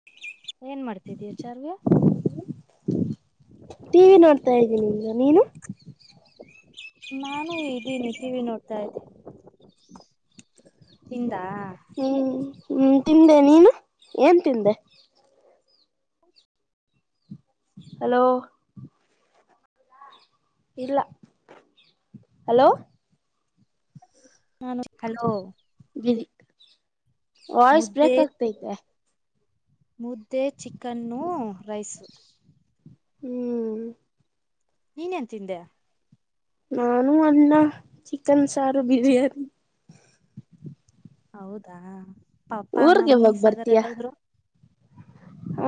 [unintelligible] ಏನ್ ಮಾಡ್ತಿದಿಯಾ ಶ್ರಾವ್ಯ ಟಿವಿ ನೋಡ್ತಾ ಇದ್ದೀನಿಗ ನೀನು ನಾನು ಇದ್ದೀನಿ ಟಿ ವಿ ನೋಡ್ತಾ ಇದ್ದೆ ತಿಂದ ಹ್ಮ್ ಹ್ಮ್ ತಿಂದೆ ನೀನು ಏನ್ ತಿಂದೆ ಹಲೋ ಇಲ್ಲ ಹಲೋ ನನು ಹಲೋ ಬಿಸಿ ವಾಯ್ಸ್ ಮುದ್ದೆ ಬ್ರೇಕ್ ಆಗ್ತೈತೆ ಮುದ್ದೆ ಚಿಕನ್ನು ರೈಸು ಹ್ಮ್ ನೀ ಏನು ತಿಂದೆ ನಾನು ಅನ್ನ ಚಿಕನ್ ಸಾರು ಬಿರಿಯಾನಿ ಹೌದಾ ಪಪ್ಪ ಊರ್ಗೆ ಮಮ್ಮಿ ಯಾವಾಗ ಸಗರ್ ಎಲ್ಲಾದ್ರು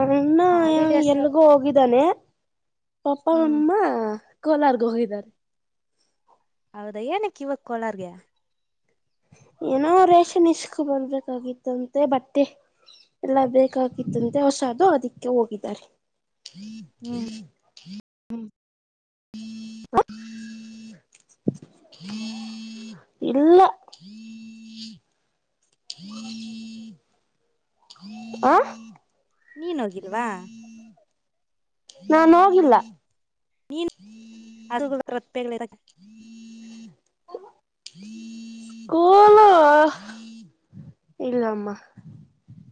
ಅವ್ನ್ ಹಾಲಿಡೇಸ್ ಎಲ್ಗೋ ಹೋಗಿದ್ದಾನೆ ಪಪ್ಪ ಹ್ಮ್ ಅಮ್ಮ ಕೋಲಾರ್ ಹೊಗೆದರೆ ಹೌದಾ ಏನಕ್ಕೆ ಇವ ಕೋಳಾರ್ಗೆ ಏನೋ ರೇಷನ್ ಇಸ್ಕ್ ಬರ್ಬೇಕಾಗಿತ್ತುಂತೆ ಬಟ್ಟೆ ಎಲ್ಲ ಬೇಕಾಗಿತ್ತಂತೆ ಹೊಸ ಅದು ಅದಕ್ಕೆ ಹೋಗಿದ್ದಾರೆ. ಹ್ಮ್ [unintelligible] ಇಲ್ಲ ಆ ನೀನ್ ಹೋಗಿಲ್ವಾ ನಾನು ಹೋಗಿಲ್ಲ ಅೊ [unintelligible] ಗ್ ಕೋಲೋ ಇಲ್ಲಮ್ಮ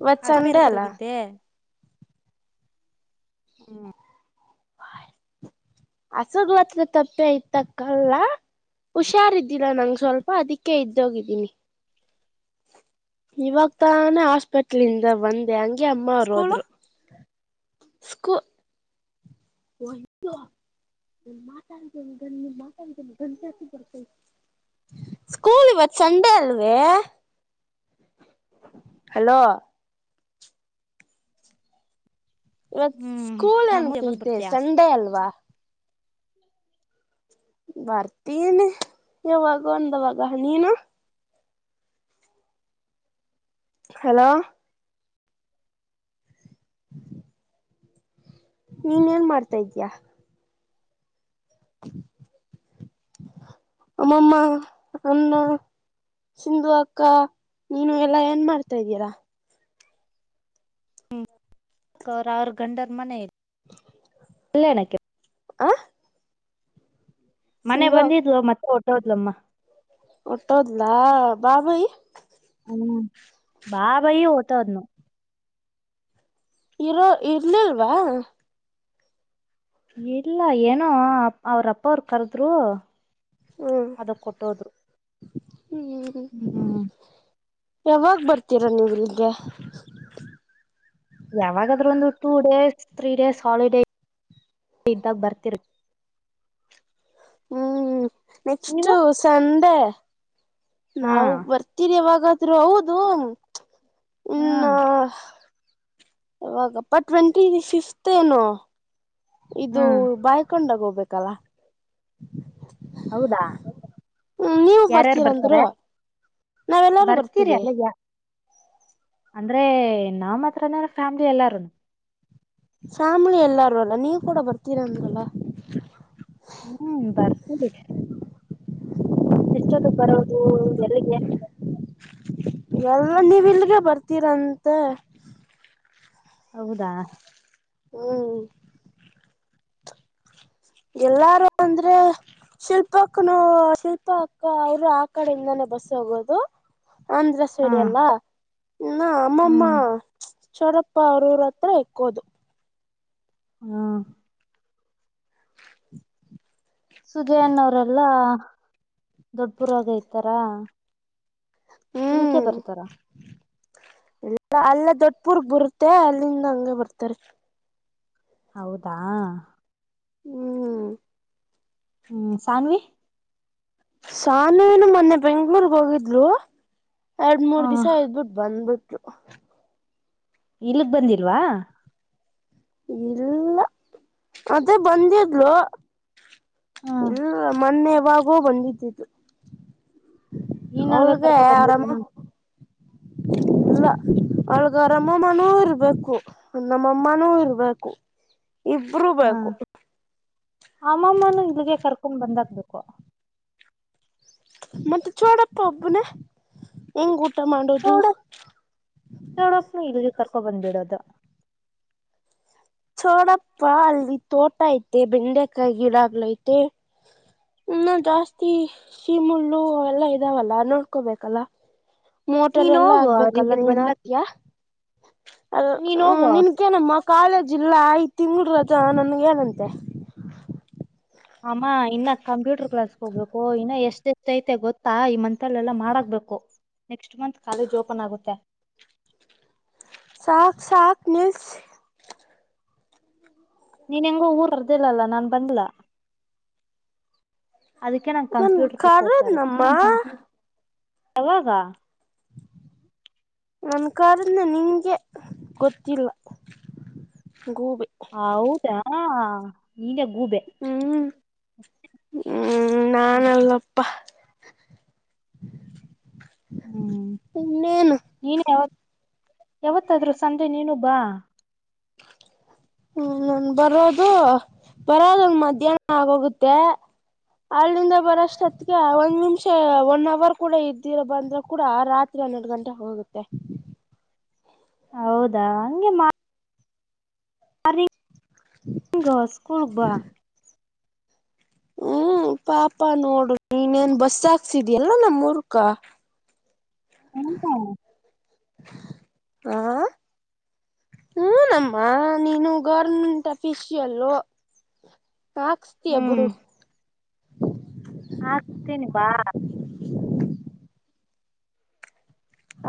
ಇವತ್ ಸಂಡೆ ಅಲ್ಲ. ಹೋಗಿದ್ದೆ ಹ್ಮ ಹ [inaudible] ಹಸಗ್ಲತ್ರ ತಪ್ಪೆ ಐತಕ್ಕಲ್ಲ. ಹುಷಾರ್ ಇದ್ದಿಲ್ಲ ನಂಗೆ ಸ್ವಲ್ಪ ಅದಕ್ಕೆ ಇದ್ದೋಗಿದ್ದೀನಿ. ಇವಾಗ ತಾನೇ ಹಾಸ್ಪೆಟ್ಲಿಂದ ಬಂದೆ ಹಂಗೆ ಅಮ್ಮವ್ರು ಸ್ಕೂಲು ಹೋದ್ರು. ಸ್ಕೂ [inaudible] ಸ್ಕೂಲ್ ಇವತ್ತು ಸಂಡೆ ಅಲ್ವೇ. ಹಲೋ ಇವತ್ ಹ್ಮ್ ಸ್ಕೂಲ್ ನಮ್ಮ ಯಾವಾಗ ಎಂಕೈತೆ ಬರ್ತೀಯಾ ಸಂಡೇ ಅಲ್ವಾ. ಬರ್ತೀನಿ ಯಾವಾಗ ಒಂದವಾಗ ನೀನು. ಹಲೋ [inaudible] ನೀನ್ ಏನ್ ಮಾಡ್ತಾ ಇದೀಯಾ. ಹ [inaudible] ಅಮ್ಮಮ್ಮ ಅಣ್ಣ. ಸಿಂಧು ಅಕ್ಕ ನೀನು ಎಲ್ಲಾ ಏನ್ ಮಾಡ್ತಾ ಇದ್ದೀರಾ. ಹ್ಮ್ [unintelligible] [inaudible] ಅವ ಆರು ಗಂಡರ್ ಮನೆ ಐ ಅಲ್ಲ ಎಣಕ್ಕ ಆ ಮನೆ ಸಿಂಗೋ ಬಂದಿದ್ಲು ಮತ್ತೆ ಟೋದ್ಲಮ್ಮ. ಉಟ್ಟೋದ್ಲಾ ಬಾಬಯಿ, ಹ್ಮ್- ಬಾ ಬಯಿ ಓತದ್ನು ಇರೋ ಇರ್ಲಿಲ್ವಾ. ಇಲ್ಲ ಏನೋ ಅವ್ರಪ್ಪ ಅವರು ಕರೆದ್ರು ಹ್ಮ್ ಅದಕ್ ಕೊಟ್ಟೋದ್ರು. ಹ್ಮ್ ಹ್ಮ್ ಯಾವಾಗ ಬರ್ತೀರಾ ನೀವು ಇಲ್ಲಿಗೆ. ಯಾವಾಗಾದ್ರೂ ಒಂದು two days three days holiday ಇದ್ದಾಗ ಬರ್ತಿರ್. ಹ್ಮ್- ನೆಕ್ಸ್ಟ್ ನೀವು ಸಂಡೆ ಹಾ ನಾವು ಬರ್ತೀರಿ. ಯಾವ ಗಾದರು ಹೌದು ಹಾ ಇನ್ನ, ಇವಾಗಪ್ಪ ಟ್ವೆಂಟಿ ಫಿಫ್ತ್ ಏನು ಹ್ಮ ಇದು ಬಾಯ್ಕೊಂಡಾಗ ಹೋಗಬೇಕು. ಕಲ ಹೌದಾ ಹ್ಮ್ ನೀವು ಯಾರ್ಯಾರು ಬರ್ತೀರಂದ್ರು ಬರ್ತಾರೆ ನಾವೆಲ್ಲಾರು ಬರ್ತೀರಿ ಬರ್ತೀವಿ ಅಲ್ಲ ಯ ಅಂದ್ರೆ ನಮ್ಮ ಹತ್ರನ ಫ್ಯಾಮಿಲಿ ಎಲ್ಲಾರನು ಫ್ಯಾಮಿಲಿ ಎಲ್ಲಾರೂ ಅಲ್ಲ ನೀವ ಕೂಡ ಬರ್ತೀನ ಅಂದ್ರಲ. ಹ್ಮ ಬರ್ತನೀ. ಎಷ್ಟೊತ್ತಗ ಬರೋದು ಎಲ್ಲಿಗೆ ಎಲ್ಲ ನೀವಲ್ಲಿಗೆ ಬರ್ತೀರಂತ ಹೌದಾ. ಹ್ಮ. ಎಲ್ಲಾರು ಅಂದ್ರೆ ಶಿಲ್ಪಾಕ್ಕನು ಶಿಲ್ಪಾ ಅಕ್ಕ ಅವರು ಆ ಕಡೆಯಿಂದಾನೇ ಬಸ್ಸ ಹೋಗೋದು. ಅಂದ್ರ ಹ ಸೇಡಯಲ್ಲ ನ ಅಮ್ಮಮ್ಮ ಹ್ಮ್ ಚರಪ್ಪ ಅವ್ರ ಊರ ಅತ್ರ ಇಕ್ಕೋದು. ಹ್ಮ. [inaudible] ಸುಜಯನ್ನವರೆಲ್ಲಾ ದೊಡ್ಬಪುರಾಗ ಐತಾರ ಇಲ್ಕೆ ಬರ್ತಾರಾ. ಇಲ್ಲ ಅಲ್ಲ ದೊಡಪೂರಕ ಬರುತ್ತೆ ಅಲ್ಲಿಂದ ಹಂಗೆ ಬರ್ತಾರೆ. ಹೌದಾ. ಹ್ಮ. ಹ್ಮ ಸಾನ್ವಿ. ಸಾನ್ವಿನು ಮೊನ್ನೆ ಬೆಂಗ್ಳೂರ್ಗ ಹೋಗಿದ್ಲು ಯಾಡ ಮೂರ್ ದಿಸ ಹ ಇದ್ದೀಬಿಟ್ಟ ಬಂದ್ಬಿಟ್ಟ [inaudible] ಇಲ್ಗ ಬಂದಿಲ್ವಾ. ಇಲ್ಲ ಅದೇ ಬಂದಿದ್ಲು. ಹ್ಮ್ ಇಲ್ಲ ಮನ್ನಯವಾಗೋ ಬಂದಿದ್ದಿದ್ದು. ಈ ನಡ್ವೆ ಹೌದ ಕರ್ಕೊ ಆರಾಮ. ಬಂದಿದನ ಇಲ್ಲ ಅವಳ್ಗರಮ್ಮಮ್ಮನೂ ಇರ್ಬೇಕು ನಮ್ಮಮ್ಮನೂ ಇರ್ಬೇಕು. ಇದ್ ಹಾ ಅಮ್ಮಮ್ಮನು ಇಲ್ಲಿಗೆ ಕರ್ಕೊಂಡ ಬಂದಕ್ಬೇಕು. ಮತ್ತ ಚೋಡಪ್ಪ ಒಬ್ಬನೇ ಹೆಂಗ ಊಟ ಮಾಡೋದು. ಚೊಡಪ್ಪ ಇಲ್ ಕರ್ಕೊಬಂದ ಬಿಡೋದು. ಚೋಡಪ್ಪ ಅಲ್ಲಿ ತೋಟ ಐತೆ ಬೆಂಡೆಕಾಯಿ ಗಿಡಾಗಳ ಐತೆ. ಇನ್ನು ಜಾಸ್ತಿ. ಶೀಮುಳ್ಳು ಅವೆಲ್ಲಾ ಇದಾವಲ್ಲಾ ನೋಡ್ಕೋಬೇಕಲ್ಲ. ಮೋಟರ್ ನೀನ್ ಎಲ್ಲ ಹೋಗು ಅವ್ರ ಆಗ್ಬೇಕಲ್ಲ ಇಲ್ಲಿಗ್ ನೀನ್ ಬಂದಾಗ ಅಕ್ತಿಯ ಅ ನೀನ್ ಹೋಗು ನಿನ್ ಅಕೆ ನಮ್ಮ ಕಾಲೇಜ್ ಇಲ್ಲ ಇ ತಿಂಗಳ ರಜಾ ನನ್ಗ ಏನಂತೆ ಅಮ್ಮ ಇನ್ನ ಕಂಪ್ಯೂಟರ್ ಕ್ಲಾಸ್ಗ ಹೋಗ್ಬೇಕ. ಓ ಇನ್ನ ಎಷ್ಟತ ಐತೆ ಗೊತ್ತಾ ಈ ಮಂತಲ್ಲ ಎಲ್ಲಾ ಮಾಡಕ್ಬೇಕು. ನೆಕ್ಸ್ಟ್ ಮಂತ್ ಕಾಲೇಜ್ ಓಪನ್ ಆಗುತ್ತೆ. ಸಾಕ ಸಾಕ ನಿಲ್ಸ. ನೀನ್ ಹೆಂಗೋ ಊರ್ ಅರ್ದಿಲ್ಲಲ್ಲಾ ನಾನ್ ಬಂದಲಾ ಅದಕ್ಕೆ ನಾ ನನ್ ಕಂಪ್ಯೂಟರ್ ಕ್ ಹೋಗ್ತಾರ ಕರದ್ನಮ್ಮ ಯವಾಗ ನನ್ನ ಕಾರನ್ನ ನಿಂಗೆ ಗೊತ್ತಿಲ್ಲ ಗೂಬೆ. ಹೌದಾ ನೀನೇ ಗೂಬೆ. ಹ್ಮ ಹ್ಮ ನಾನಲ್ಲ ಇನ್ನೇನು. ನೀನು ಯಾವತ್ ಯಾವತ್ತಾದ್ರೂ ಸಂಜೆ ನೀನು ಬಾ. ಹ್ಮ್ ನಾನ್ ಬರೋದು ಬರೋದಂಗ್ ಮಧ್ಯಾಹ್ನ ಆಗೋಗುತ್ತೆ. ಅಲ್ಲಿಂದ ಬರಷ್ಟತ್ಗೆ ಒಂದ್ ನಿಮಿಷ ಒನ್ ಅವರ್ ಕೂಡ ಇದ್ದೀರ ಬಂದ್ರೆ ಕೂಡ ರಾತ್ರ್ ತ್ರಿ ಹನ್ನೆರಡು ಗಂಟೆ ಹಾಗೊಗುತ್ತೆ. ಹೌದಾ ಹಂಗೆ ಮಾ ಬರಿ ಇಂಗ್ ಸ್ಕೂಲ್ ಬಾ ಹ್ಮ್ ಪಾಪ ನೋಡು ನೀನೇನ್ ಬಸ್ ಹಾಕ್ಸಿದಿಲ್ಲ ನಮ್ಮೂರಕ್ಕ. ಏನಕ್ಕ ಹ ಹೂನಮ್ಮ ನೀನು ಗೌರ್ಮೆಂಟ್ ಅಫೀಶಿಯಲ್ಲು. ಹಾಕ್ಸ್ತಿಯಾ ಹ್ಮ್ ಬುಡು ಹಾಕ್ತೀನಿ ಬಾ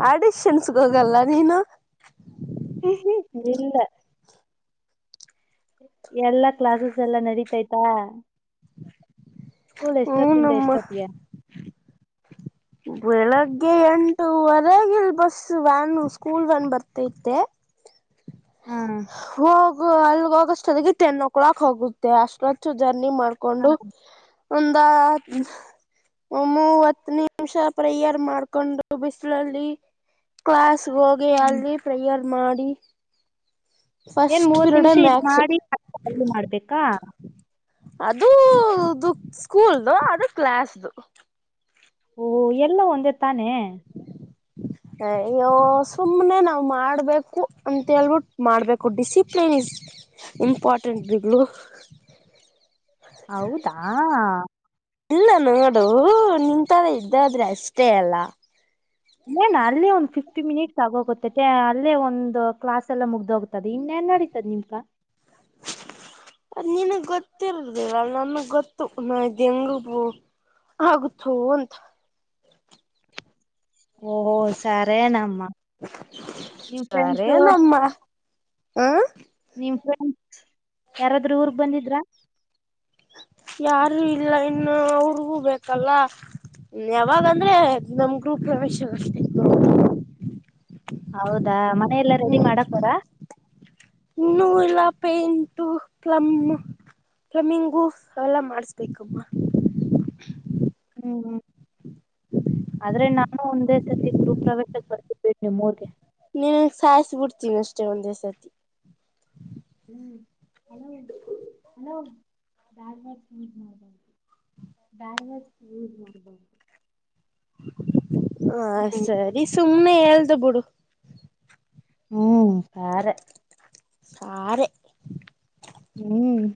ಆಡಿಷನ್ಸ್ಗೆ ಹೋಗಲ್ಲ ನೀನು. ಹ್ಮ್ ಹ್ಮ್ ಇಲ್ಲ ಎಲ್ಲಾ ಕ್ಲಾಸ್ಸ್ ಎಲ್ಲಾ ನಡೀತಾಯ್ತಾ. ಸ್ಕೂಲ್ ಎಷ್ಟೊತ್ತಿಂದ ಹೂನಮ್ಮ ಎಷ್ಟೊತ್ತಿಗೆ. ಬೆಳಗ್ಗೆ ಎಂಟುವರೆಗೆ ಇಲ್ ಬಸ್ ವ್ಯಾನ್ ಸ್ಕೂಲ್ ವ್ಯಾನ್ ಬರ್ತೈತೆ. ಹಾ ಹೋಗು ಅಲ್ಲಿಗೆ ಹೊಗಷ್ಟರಲ್ಲಿಗೆ ಟೆನ್ ಓ ಕ್ಲಾಕ್ ಹೋಗುತ್ತೆ ಅಷ್ಟೊತ್ತ್ ಜರ್ನಿ ಮಾಡ್ಕ್ ಕೊಂಡು ಒಂದಾ ಮೂವತ್ತು ನಿಮಿಷ ಪ್ರೇಯರ್ ಮಾಡ್ಕೊಂಡು ಬಿಸಿಲಲ್ಲಿ ಕ್ಲಾಸ್ ಹೋಗಿ ಅಲ್ಲಿ ಪ್ರೇಯರ್ ಮಾಡಿ ಏನ್ ಫಸ್ಟ್ ಮೂವತ್ತು ನಿಮಿಷ ಪಿರಿಯಡ್ ಇಲ್ಲಿ ಮ್ಯಾಕ್ಸು ಮಾಡಿ ಮತ್ತೆ ಅಲ್ಲೂ ಮಾಡ್ಬೇಕಾ. ಅದು ದು ಸ್ಕೂಲ್ದು ಅದು ಕ್ಲಾಸ್ ದು ಓ ಎಲ್ಲಾ ಒಂದೇ ತಾನೆ. ಅಯ್ಯೋ ಸುಮ್ಮನೆ ನಾವ್ ಮಾಡ್ಬೇಕು ಅಂತೇಳ್ಬಿಟ್ಟು ಮಾಡ್ಬೇಕು ಡಿಸಿಪ್ಲನ್ ಇಸ್ ಇಂಪಾರ್ಟೆಂಟ್ ಬಿಗಳು ಹೌದಾ ಇಲ್ಲ ನೋಡು ನಿಂತ ಇದ್ದಾದ್ರೆ ಅಷ್ಟೇ ಅಲ್ಲ ಏನ್ ಅಲ್ಲೇ ಒಂದು ಫಿಫ್ಟಿ ಮಿನಿಟ್ಸ್ ಆಗೋಗುತ್ತೆ ಅಲ್ಲೇ ಒಂದು ಕ್ಲಾಸ್ ಎಲ್ಲಾ ಮುಗ್ದ ಹೋಗುತ್ತೆ. ಮತ್ತದ ಇನ್ನೇ ಏನ್ ನಡಿತದ ನಿಮಗಾ ಅದು ನಿನಗ್ ಗೊತ್ತಿಲ್ವ ಅದ್ ನನಗ್ ಗೊತ್ತು ಮಾಡಿಂಗ್ ಆಗುತ್ತೊ ಅಂತ ಓಹೋ ಸರೇನಮ್ಮ ನಿಮ್ ಫ್ರೆಂಡ್ಸು ಸರೇನಮ್ಮ ಹಾ ನಿಮ್ ಫ್ರೆಂಡ್ಸ್ ಯಾರಾದ್ರೂ ಊರ್ಗ್ ಬಂದಿದ್ರಾ. ಯಾರು ಇಲ್ಲ ಇನ್ನು ಅವರಗೂ ಬೇಕಲ್ಲ. ಹ್ಮ್ ಯಾವಾಗ ಅಂದ್ರೆ ನಮ್ ಗೃಹಪ್ರವೇಶ ಅಷ್ಟೇ ಹೌದಾ ಮನೆಯ ಎಲ್ಲಾ ರೆಡಿ ಮಾಡಕ್ ಅವರ ಇನ್ನೂ ಇಲ್ಲ ಪೇಂಟು ಪ್ಲಮ್ಮೂ ಪ್ಲಮ್ಮಿಂಗು ಅವೆಲ್ಲ ಮಾಡಿಸ್ಬೇಕಮ್ಮ. ಹ್ಮ್ ಹ್ಮ್ ಆದ್ರೆ ನಾನು ಒಂದೇ ಸತಿ ಗೃಹಪ್ರವೇಶಕ್ಕೆ ಬರ್ತಿನಿ ನಿಮ್ಮೂರಿಗೆ. ನೀನ್ ಸಾಯಿಸಿಬಿಡ್ತೀನಿ ಅಷ್ಟೇ ಒಂದೇ ಸತಿ ಹ್ಮ್ ಅ [unintelligible] ಹ ಸರಿ ಸುಮ್ನೆ ಹೇಳಳ್ಬಿಡು ಹ್ಮ್ ಸಾರೆ. ಸಾರೆ. ಹ್ಮ್.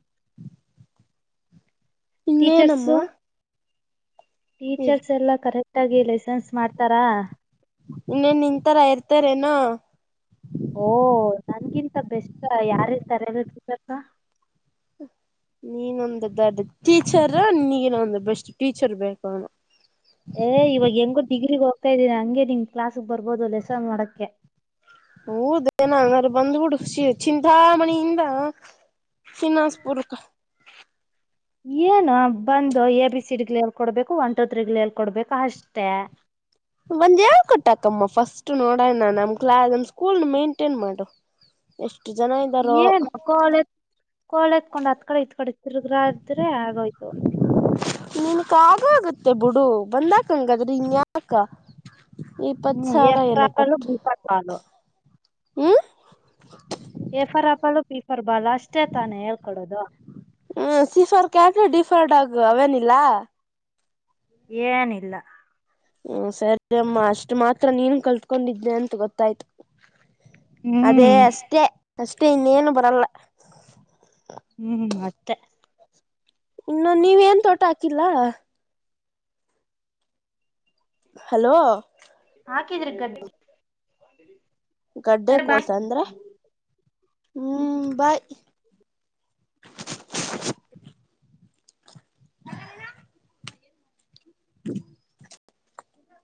ಟೀಚರ್ ಇನ್ನೇನಮ್ಮ ಸು ಟೀಚರ್ಸ್ ಎಲ್ಲಾ ಕರೆಕ್ಟ್ ಆಗಿ ಲೈಸನ್ಸ್ ಮಾಡ್ತಾರಾ ಇನ್ನೇನ್ ನಿನ್ನ ತರಾ ಇರ್ತಾರೇನ. ಓಹ ನನ್ಗಿಂತ ಬೆಸ್ಟ್ ಯಾರ ಇರತಾರರ್ ನೀನೊಂದ ದೊಡ್ಡ ಟೀಚರ್ ನೀಗನ ಒಂದ್ ಬೆಸ್ಟ್ ಟೀಚರ್ ಬೇಕನ. ಏ ಇವಾಗ ಹೆಂಗು ಡಿಗ್ರಿಗ್ ಹೋಗ್ತಾ ಇದೀನಿ ಹಂಗೆ ನಿನ್ ಕ್ಲಾಸ್ಕ್ ಬರ್ಬೋದು ಲೆಸನ್ ಮಾಡೋಕ್ಕೆ. ಹ ಊ ದಏನ ಅಂದ್ರರು ಬಂದ್ ಬೀಡುಷಿ ಚಿಂತಾ ಮಣಿಯಿಂದ. ತಿನಸ್ಪುಕ [unintelligible] ಏನು ಬಂದು ಎ ಬಿ ಸಿ ಡಿ ಗ್ಗಳು ಹೇಳ್ಕೊಡ್ಬೇಕು ಒನ್ ಟು ತ್ರ್ರೀಗಳ ಹೇಳ್ಕೊಡ್ಬೇಕು ಅಷ್ಟೇ. ಒಂದ್ ಹೇಳ್ ಕೊಟ್ಟಾಕಮ್ಮ ಫಸ್ಟ್ ನೋಡಣ ನಮ್ ಕ್ ನಮ್ ಸ್ಕೂಲ್ ನ ಮೈಂಟೇನ್ ಮಾಡು. ಎಷ್ಟು ಜನಾ ಇದ್ದಾರೋ. ಕಾಲೇಜ್ ಕೋಳ ಎತ್ಕೊಂಡ್ ಅತ್ ಕಡೆ ಇತ್ ಕಡೆ ತಿರುಗ್ರಾದ್ರೆ ಆಗೋಯ್ತು. ನಿನ್ ಕ ಆಗ ಆಗತ್ತೆ ಬುಡು ಬಂದಕ್ಂಗಾದ್ರಿ ಹಂಗ ಯಾಕ. ಹ್ಮ್ ಎಷ್ಟಾ ಕೊಟ್ಟು [unintelligible] ಹ್ಞೂ A for apple B for ball ಅಷ್ಟೇ ತಾನೇ ಹೇಳ್ಕೊಡೋದು ಹ್ಮ C for cat D for dog ಆಗ ಅವೇನಿಲ್ಲಾ ಏನಿಲ್ಲ ಹ್ಮ ಸರಿ ಅಮ್ಮ ಅಷ್ಟು ಮಾತ್ರ ನೀನು ಕಲ್ತ್ಕೊಂಡಿದ್ದೆ ಅಂತ ಗೊತ್ತಾಯ್ತು ಅದೇ ಹ್ಮ್ ಅಷ್ಟೇ ಅಷ್ಟೇ ಇನ್ನೇನು ಬರಲ್ಲ ಹ್ಮ್ ಅತ್ತೆ ಇನ್ನು ನೀವ ಏನ ತೋಟಾ ಹಾಕಿಲ್ಲ ಹಲೋ. ಹಾಕಿದ್ರಿ ಗದ್ದ. ಗಡ್ಡೆ ಕೋಸ ಅಂದ್ರ ಹ್ಮ್ ಬಾಯ್. ಹ್ಮ